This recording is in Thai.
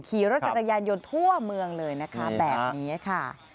ขี่รถจักรยานยนต์ทั่วเมืองเลยนะคะแบบนี้ค่ะ